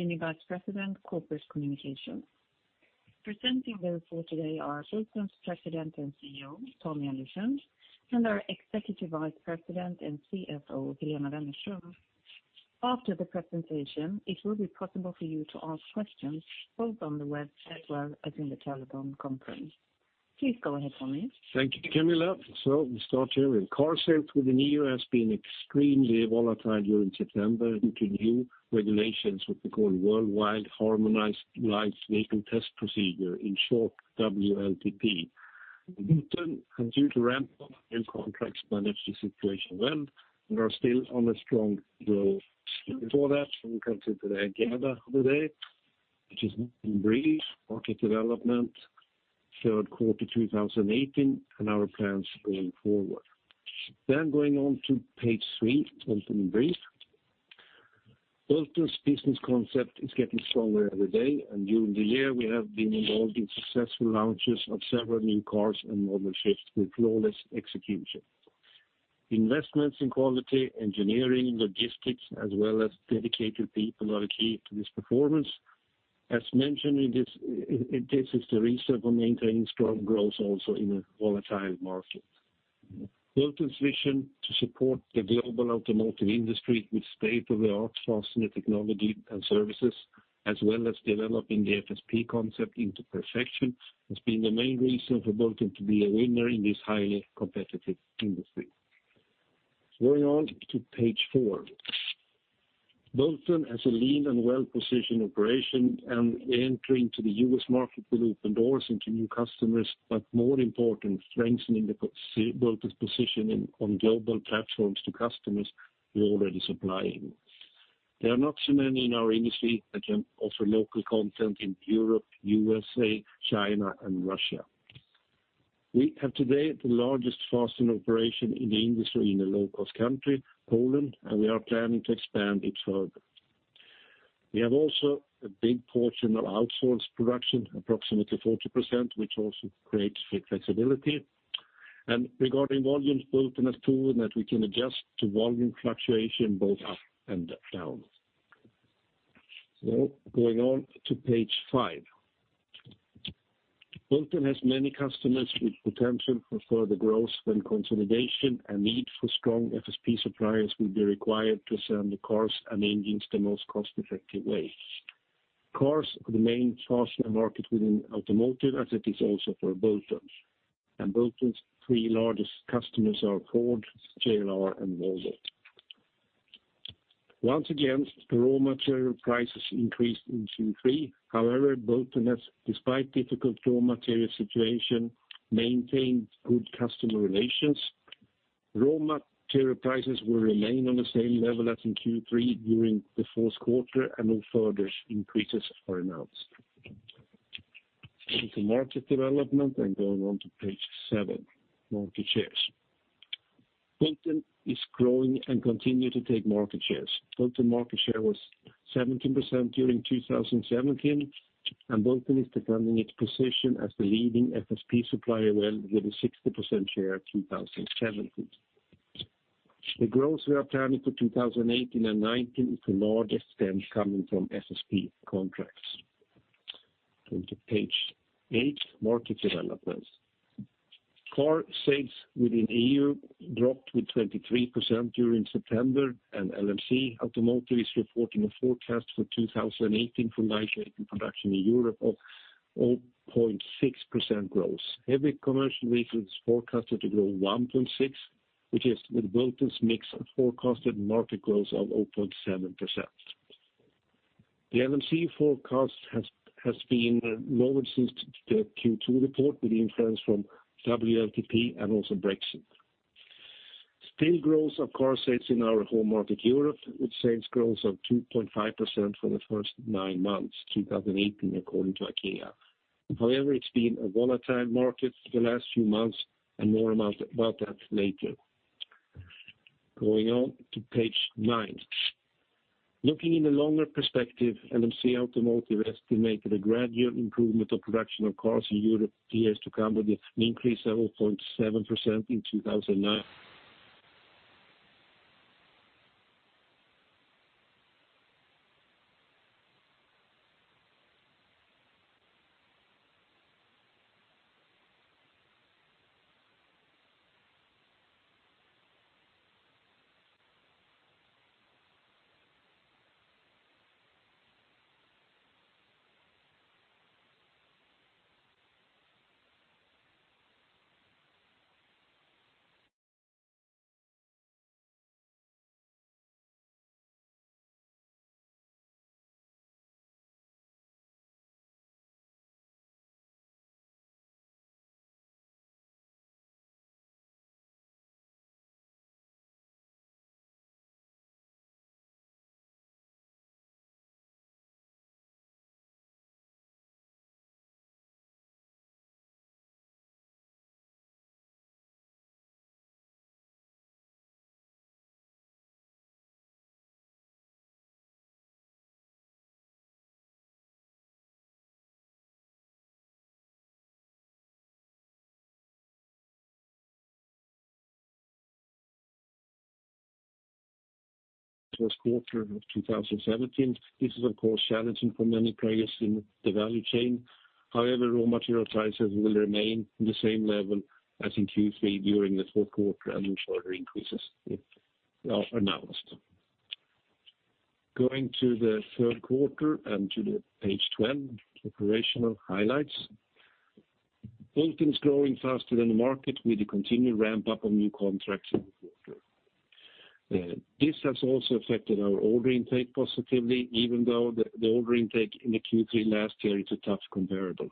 Senior Vice President, Corporate Communications. Presenting the report today are Bulten's President and CEO, Tommy Andersson, and our Executive Vice President and CFO, Helena Wennerström. After the presentation, it will be possible for you to ask questions both on the web as well as in the telephone conference. Please go ahead, Tommy. Thank you, Camilla. We start here. Car sales within EU has been extremely volatile during September due to new regulations with the Worldwide Harmonized Light Vehicles Test Procedure, in short, WLTP. Bulten continued to ramp up new contracts, manage the situation well, and are still on a strong growth. Before that, we come to the agenda of the day, which is Bulten brief, market development, third quarter 2018, and our plans going forward. Going on to page three, Bulten brief. Bulten's business concept is getting stronger every day. During the year, we have been involved in successful launches of several new cars and model shifts with flawless execution. Investments in quality, engineering, logistics, as well as dedicated people are key to this performance. As mentioned, this is the reason for maintaining strong growth also in a volatile market. Bulten's vision to support the global automotive industry with state-of-the-art fastening technology and services, as well as developing the FSP concept into perfection, has been the main reason for Bulten to be a winner in this highly competitive industry. Going on to page four. Bulten has a lean and well-positioned operation. Entering to the U.S. market will open doors into new customers, but more important, strengthening Bulten's position on global platforms to customers we're already supplying. There are not so many in our industry that can offer local content in Europe, USA, China, and Russia. We have today the largest fastening operation in the industry in a low-cost country, Poland. We are planning to expand it further. We have also a big portion of outsourced production, approximately 40%, which also creates flexibility. Regarding volumes, Bulten has proven that we can adjust to volume fluctuation both up and down. Going on to page five. Bulten has many customers with potential for further growth when consolidation and need for strong FSP suppliers will be required to assemble the cars and engines the most cost-effective way. Cars are the main fastener market within automotive as it is also for Bulten. Bulten's three largest customers are Ford, JLR, and Volvo. Once again, raw material prices increased in Q3. However, Bulten has, despite difficult raw material situation, maintained good customer relations. Raw material prices will remain on the same level as in Q3 during the fourth quarter. No further increases are announced. Into market development. Going on to page seven, market shares. Bulten is growing. Continue to take market shares. Bulten market share was 17% during 2017. Bulten is defending its position as the leading FSP supplier well with a 60% share 2017. The growth we are planning for 2018 and 2019 is the largest then coming from FSP contracts. Going to page eight, market developments. Car sales within EU dropped with 23% during September. LMC Automotive is reporting a forecast for 2018 for light vehicle production in Europe of 0.6% growth. Heavy commercial vehicles forecasted to grow 1.6%, which is, with Bulten's mix, a forecasted market growth of 0.7%. The LMC forecast has been lower since the Q2 report with the influence from WLTP and also Brexit. Still growth of car sales in our home market Europe, with sales growth of 2.5% for the first nine months 2018, according to ACEA. However, it's been a volatile market for the last few months, and more about that later. Going on to page nine. Looking in the longer perspective, LMC Automotive estimated a gradual improvement of production of cars in Europe years to come with an increase of 0.7% in 2019. First quarter of 2017. This is, of course, challenging for many players in the value chain. However, raw material prices will remain the same level as in Q3 during the fourth quarter, and no further increases are announced. Going to the third quarter and to page 10, operational highlights. Bulten is growing faster than the market with the continued ramp-up of new contracts in the quarter. This has also affected our order intake positively, even though the order intake in the Q3 last year is a tough comparable.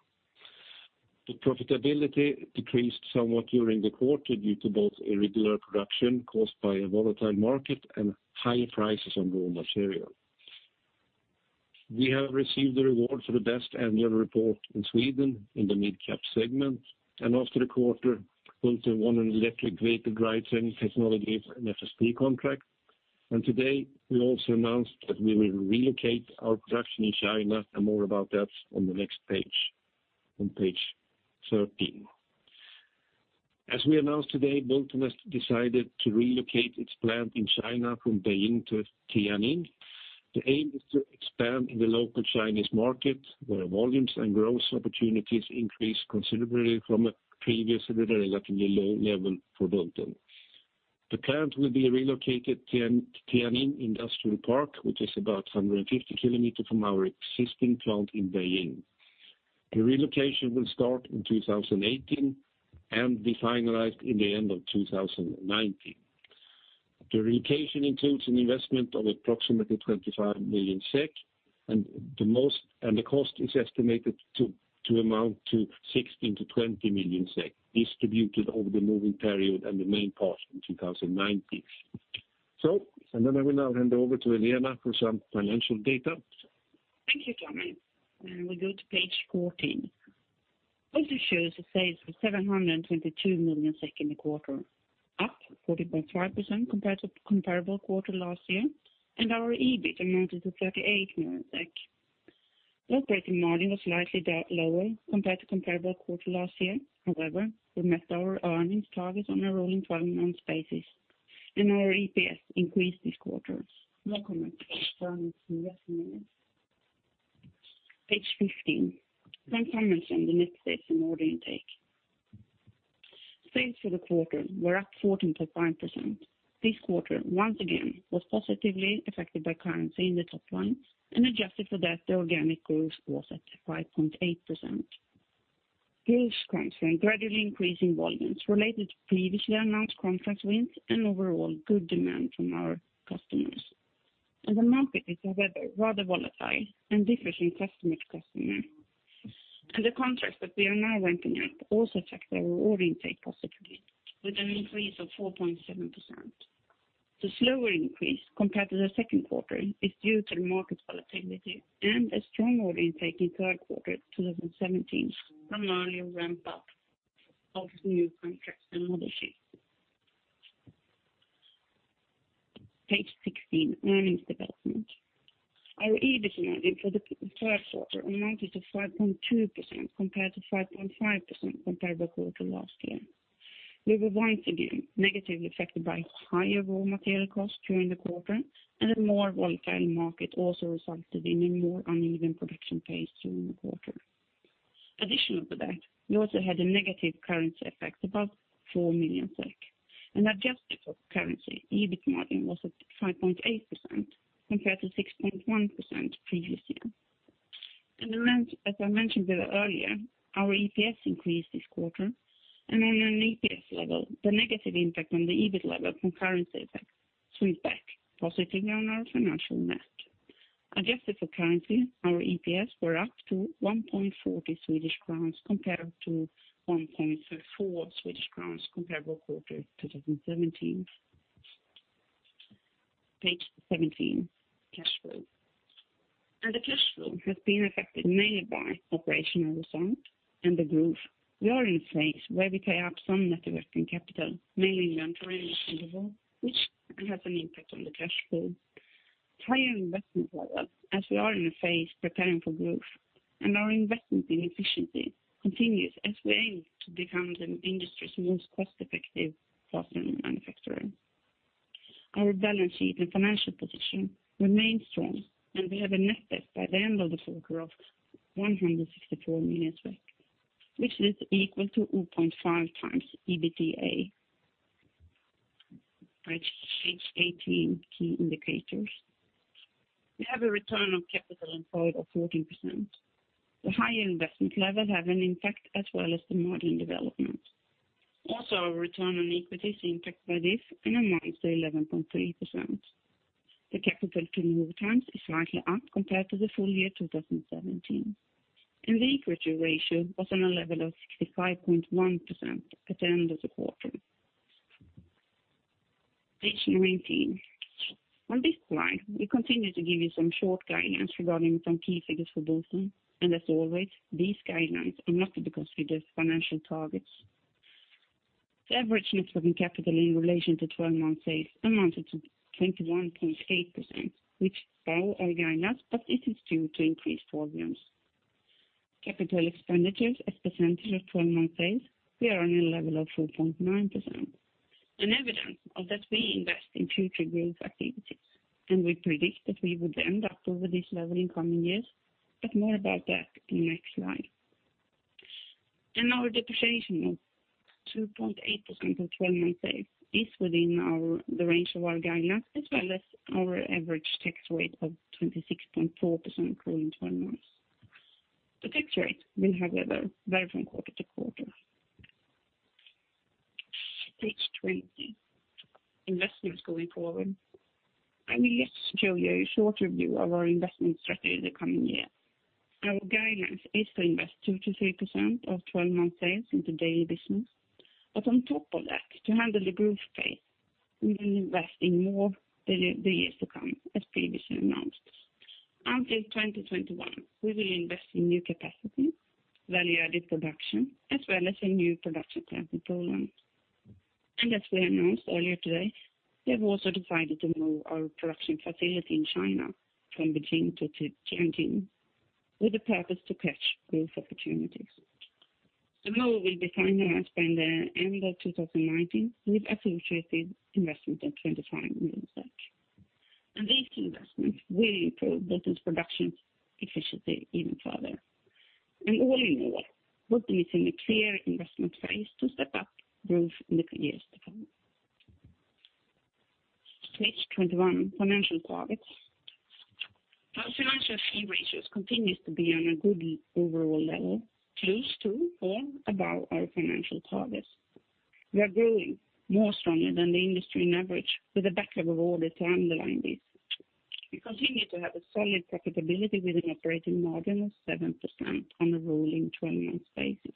The profitability decreased somewhat during the quarter due to both irregular production caused by a volatile market and high prices on raw material. We have received the reward for the best annual report in Sweden in the mid-cap segment. After the quarter, Bulten won an electric vehicle drivetrain technologies and FSP contract. Today, we also announced that we will relocate our production in China, and more about that on the next page, on page 13. As we announced today, Bulten has decided to relocate its plant in China from Beijing to Tianjin. The aim is to expand in the local Chinese market, where volumes and growth opportunities increase considerably from a previous relatively low level for Bulten. The plant will be relocated to Tianjin Industrial Park, which is about 150 kilometers from our existing plant in Beijing. The relocation will start in 2018 and be finalized in the end of 2019. The relocation includes an investment of approximately 25 million SEK. The cost is estimated to amount to 16 million-20 million SEK, distributed over the moving period and the main part in 2019. I will now hand over to Helena for some financial data. Thank you, Tommy. We go to page 14. Bulten shows a sales of 722 million in the quarter, up 14.5% compared to comparable quarter last year. Our EBIT amounted to 38 million. Operating margin was slightly lower compared to comparable quarter last year. However, we met our earnings target on a rolling 12 months basis, and our EPS increased this quarter. More comments on earnings to follow. Page 15. Some comments on the net sales and order intake. Sales for the quarter were up 14.5%. This quarter, once again, was positively affected by currency in the top line. Adjusted for that, the organic growth was at 5.8%. Growth comes from gradually increasing volumes related to previously announced contract wins and overall good demand from our customers. The market is, however, rather volatile and differs from customer to customer. The contracts that we are now ramping up also affect our order intake positively with an increase of 4.7%. The slower increase compared to the second quarter is due to the market volatility and a strong order intake in third quarter 2017 from earlier ramp-up of new contracts and model change. Page 16, earnings development. Our EBIT margin for the third quarter amounted to 5.2% compared to 5.5% comparable quarter last year. We were once again negatively affected by higher raw material costs during the quarter. A more volatile market also resulted in a more uneven production pace during the quarter. Additional to that, we also had a negative currency effect, about 4 million SEK. Adjusted for currency, EBIT margin was at 5.8% compared to 6.1% previous year. As I mentioned a little earlier, our EPS increased this quarter. On an EPS level, the negative impact on the EBIT level from currency effect switched back, positively on our financial net. Adjusted for currency, our EPS were up to 1.40 Swedish crowns compared to 1.04 Swedish crowns comparable quarter 2017. Page 17, cash flow. The cash flow has been affected mainly by operational results and the growth. We are in a phase where we pay up some net working capital, mainly which has an impact on the cash flow. Higher investment level as we are in a phase preparing for growth. Our investment in efficiency continues as we aim to become the industry's most cost-effective fastener manufacturer. Our balance sheet and financial position remain strong. We have a net debt by the end of the quarter of 164 million, which is equal to 0.5 times EBITDA. Page 18, key indicators. We have a return on capital employed of 14%. The higher investment level have an impact as well as the modeling development. Also, our return on equity is impacted by this and amounts to 11.3%. The capital turnover times is slightly up compared to the full year 2017. The equity ratio was on a level of 65.1% at the end of the quarter. Page 19. On this slide, we continue to give you some short guidance regarding some key figures for Bulten. As always, these guidelines are not to be considered financial targets. The average net working capital in relation to 12-month sales amounted to 21.8%, which though are going up, but it is due to increased volumes. Capital expenditures as percentage of 12-month sales, we are on a level of 4.9%. An evidence of that we invest in future growth activities. We predict that we would end up over this level in coming years. More about that in the next slide. Our depreciation of 2.8% of 12-month sales is within the range of our guidance as well as our average tax rate of 26.4% rolling 12 months. The tax rate will however vary from quarter to quarter. Page 20, investments going forward. I will just show you a short review of our investment strategy in the coming year. Our guidance is to invest 2%-3% of 12-month sales into daily business. On top of that, to handle the growth phase, we will invest in more the years to come as previously announced. Until 2021, we will invest in new capacity, value-added production, as well as in new production plant in Poland. As we announced earlier today, we have also decided to move our production facility in China from Beijing to Tianjin with a purpose to catch growth opportunities. The move will be finalized by the end of 2019 with associated investment of SEK 25 million. These two investments will improve Bulten's production efficiency even further. All in all, we are continuing a clear investment phase to step up growth in the years to come. Page 21, financial targets. Our financial key ratios continues to be on a good overall level, close to or above our financial targets. We are growing more strongly than the industry in average with a backlog of orders to underline this. We continue to have a solid profitability with an operating margin of 7% on a rolling 12-month basis,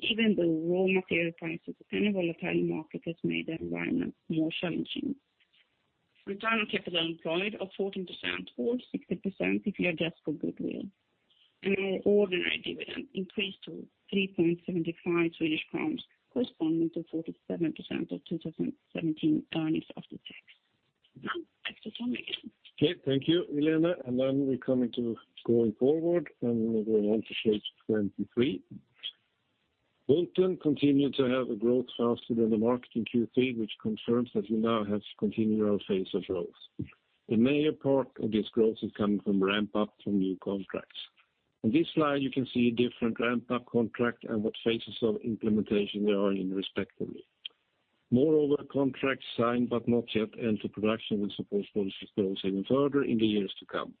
even though raw material prices and a volatile market has made the environment more challenging. Return on capital employed of 14%, or 16% if you adjust for goodwill. Our ordinary dividend increased to 3.75 Swedish crowns, corresponding to 47% of 2017 earnings after tax. Back to Tommy again. Okay. Thank you, Helena. We come into going forward. We will go on to page 23. Bulten continued to have a growth faster than the market in Q3, which confirms that we now have continued our phase of growth. The major part of this growth is coming from ramp-up from new contracts. On this slide, you can see different ramp-up contract and what phases of implementation they are in respectively. Moreover, contracts signed but not yet entered production will support Bulten's growth even further in the years to come.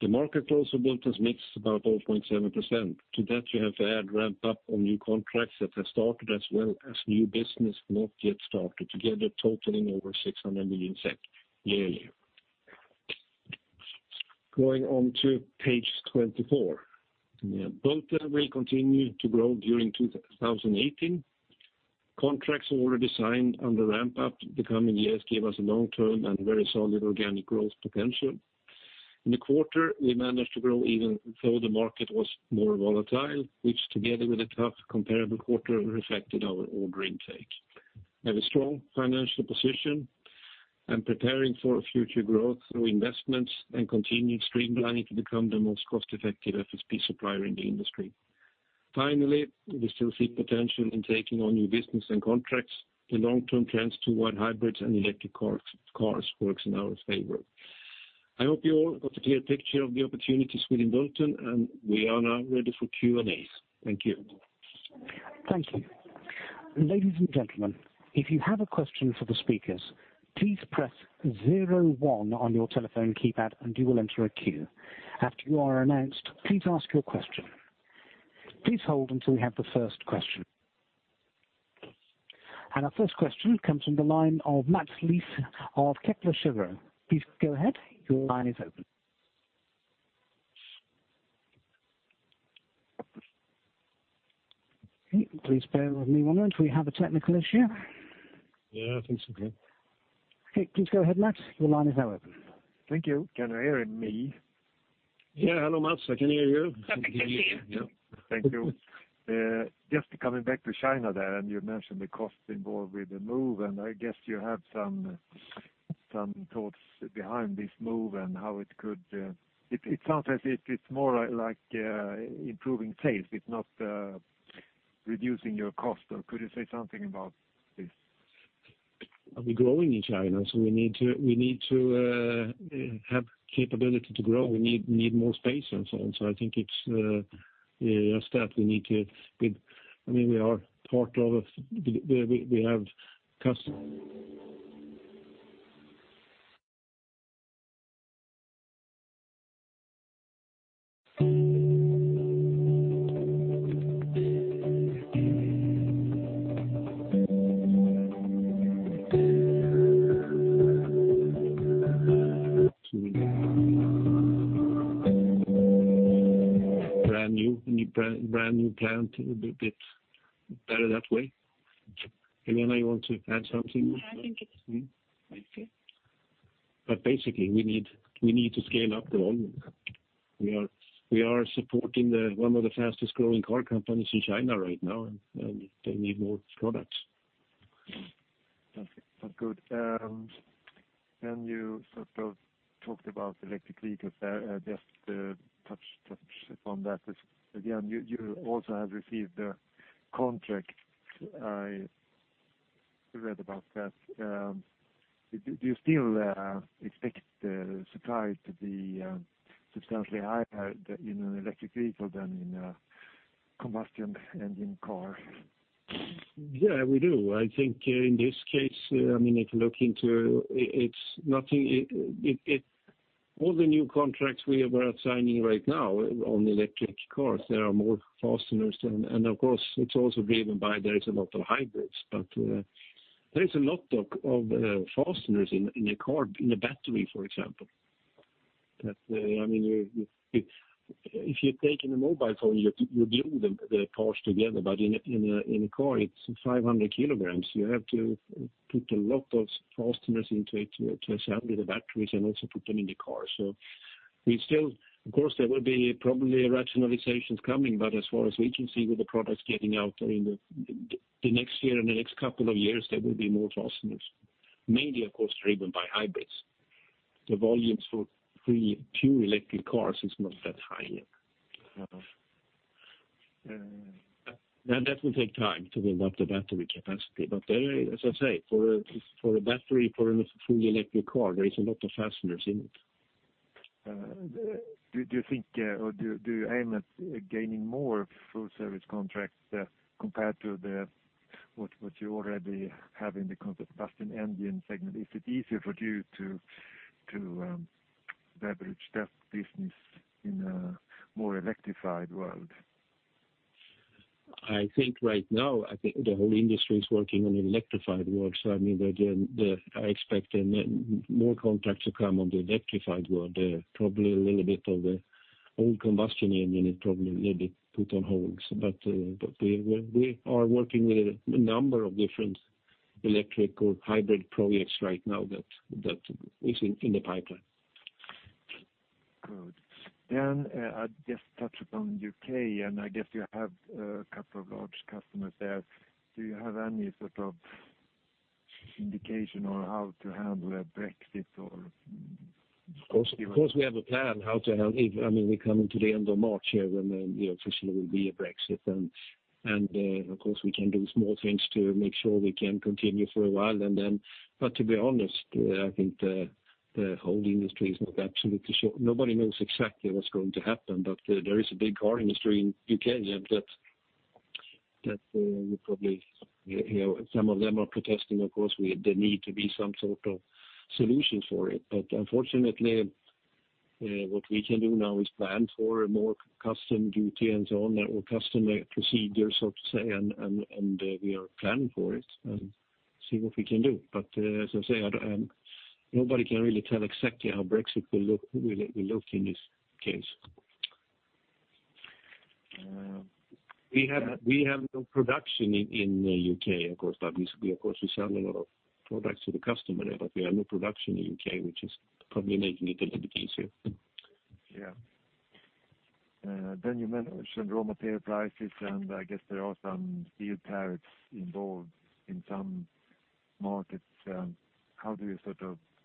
The market also Bulten's mix about 0.7%. To that, you have to add ramp-up on new contracts that have started as well as new business not yet started, together totaling over 600 million yearly. Going on to page 24. Bulten will continue to grow during 2018. Contracts already signed under ramp-up the coming years give us a long-term and very solid organic growth potential. In the quarter, we managed to grow even though the market was more volatile, which together with a tough comparable quarter reflected our order intake. We have a strong financial position and preparing for future growth through investments and continued streamlining to become the most cost-effective FSP supplier in the industry. Finally, we still see potential in taking on new business and contracts. The long-term trends toward hybrids and electric cars works in our favor. I hope you all got a clear picture of the opportunities within Bulten, and we are now ready for Q&As. Thank you. Thank you. Ladies and gentlemen, if you have a question for the speakers, please press 01 on your telephone keypad and you will enter a queue. After you are announced, please ask your question. Please hold until we have the first question. Our first question comes from the line of Mats Liss of Kepler Cheuvreux. Please go ahead. Your line is open. Okay, please bear with me one moment. We have a technical issue. Yeah, I think so too. Okay. Please go ahead, Mats. Your line is now open. Thank you. Can you hear me? Yeah. Hello, Mats. I can hear you. I can hear you. Thank you. Just coming back to China there, and you mentioned the cost involved with the move, and I guess you have some thoughts behind this move and how it sounds as if it's more like improving sales. It's not reducing your cost. Could you say something about this? We're growing in China, so we need to have capability to grow. We need more space and so on. I think it's a step we need to. Brand new plant, a bit better that way. Helena, you want to add something? No, I think it's Basically, we need to scale up the volume. We are supporting one of the fastest growing car companies in China right now, and they need more products. That's good. You talked about electric vehicles there, just to touch upon that. Again, you also have received a contract. I read about that. Do you still expect the supply to be substantially higher in an electric vehicle than in a combustion engine car? Yeah, we do. I think in this case, if you look into it, all the new contracts we are signing right now on electric cars, there are more fasteners, and of course, it's also driven by there is a lot of hybrids, but there is a lot of fasteners in a car, in a battery, for example. If you're taking a mobile phone, you glue the parts together. In a car, it's 500 kilograms. You have to put a lot of fasteners into it to assemble the batteries and also put them in the car. Of course, there will be probably rationalizations coming, but as far as we can see with the products getting out in the next year and the next couple of years, there will be more fasteners. Mainly, of course, driven by hybrids. The volumes for pure electric cars is not that high yet. That will take time to build up the battery capacity. As I say, for a battery, for a fully electric car, there is a lot of fasteners in it. Do you think or do you aim at gaining more full-service contracts compared to what you already have in the combustion engine segment? Is it easier for you to leverage that business in a more electrified world? I think right now, I think the whole industry is working on an electrified world. I expect more contracts to come on the electrified world. Probably a little bit of the old combustion engine is probably a little bit put on holds, but we are working with a number of different electric or hybrid projects right now that is in the pipeline. Good. I'll just touch upon U.K., I guess you have a couple of large customers there. Do you have any sort of indication on how to handle a Brexit? Of course, we have a plan how to handle it. We're coming to the end of March here when officially will be a Brexit. Of course, we can do small things to make sure we can continue for a while. To be honest, I think the whole industry is not absolutely sure. Nobody knows exactly what's going to happen, there is a big car industry in U.K. that will probably, some of them are protesting, of course, there need to be some sort of solution for it. Unfortunately, what we can do now is plan for more customs duty and so on, or customs procedures, so to say. We are planning for it and see what we can do. As I say, nobody can really tell exactly how Brexit will look in this case. We have no production in U.K., of course, we of course, we sell a lot of products to the customer there, we have no production in U.K., which is probably making it a little bit easier. Yeah. You mentioned raw material prices, I guess there are some steel tariffs involved in some markets.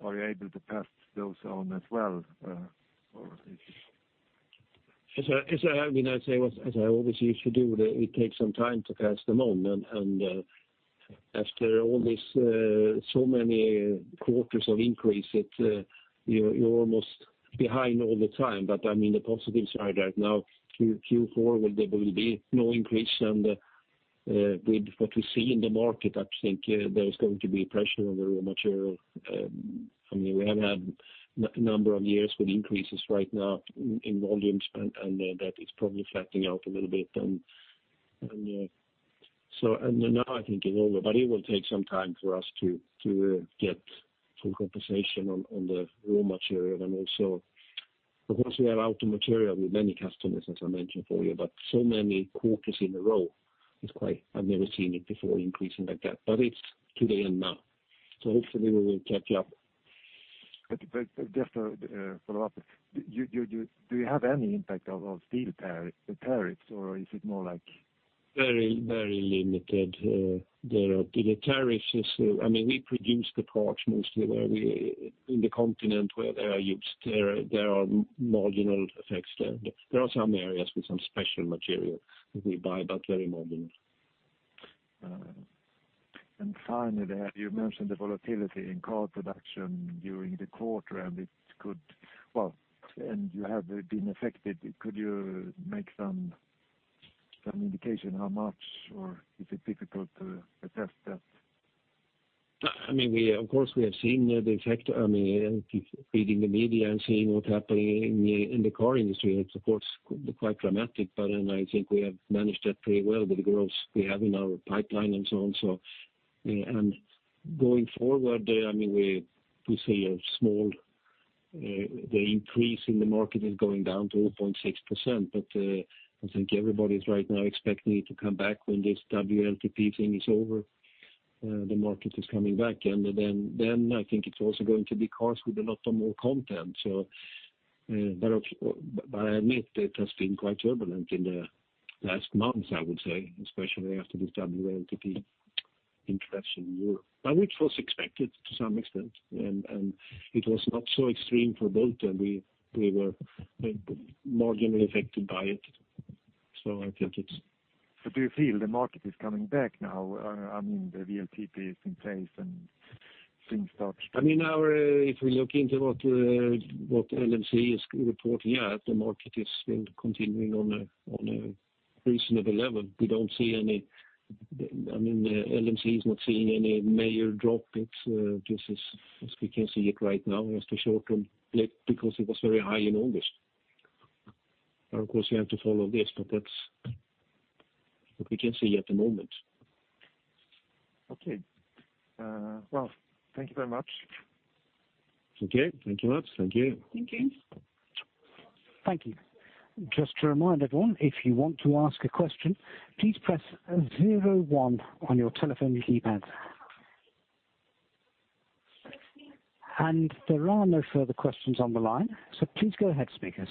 Are you able to pass those on as well? As I obviously should do, it takes some time to pass them on. After all this so many quarters of increase, you're almost behind all the time. The positive side right now, Q4, there will be no increase, and with what we see in the market, I think there's going to be pressure on the raw material. We have had a number of years with increases right now in volumes, and that is probably flattening out a little bit. It will take some time for us to get full compensation on the raw material. Also, of course, we are out of material with many customers, as I mentioned for you, so many quarters in a row. I've never seen it before increasing like that, it's today and now. Hopefully we will catch up. Just to follow up, do you have any impact of steel tariffs, or is it more? Very limited. The tariff is, we produce the parts mostly in the continent where they are used. There are marginal effects there. There are some areas with some special material that we buy, very marginal. Finally, you mentioned the volatility in car production during the quarter, and you have been affected. Could you make some indication how much, or is it difficult to assess that? Of course, we have seen the effect. Reading the media and seeing what's happening in the car industry, it's of course, quite dramatic, but I think we have managed that pretty well with the growth we have in our pipeline and so on. Going forward, we see a small, the increase in the market is going down to 0.6%, but I think everybody is right now expecting it to come back when this WLTP thing is over, the market is coming back. I think it's also going to be cars with a lot of more content. I admit it has been quite turbulent in the last months, I would say, especially after this WLTP introduction in Europe, but which was expected to some extent, and it was not so extreme for Bulten. We were marginally affected by it. Do you feel the market is coming back now? The WLTP is in place. If we look into what LMC is reporting at, the market is still continuing on a reasonable level. LMC is not seeing any major drop. It's just as we can see it right now as to short term because it was very high in August. Of course, we have to follow this, but that's what we can see at the moment. Okay. Well, thank you very much. Okay. Thank you much. Thank you. Thank you. Thank you. Just a reminder to everyone, if you want to ask a question, please press 01 on your telephone keypad. There are no further questions on the line, so please go ahead, speakers.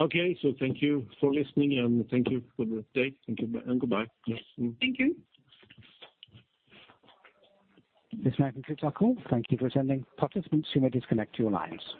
Okay, thank you for listening, and thank you for the update. Thank you, and goodbye. Thank you. This now concludes our call. Thank you for attending. Participants, you may disconnect your lines.